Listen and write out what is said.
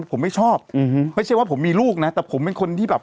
ผมไม่ชอบไม่ใช่ว่าผมมีลูกนะแต่ผมเป็นคนที่แบบ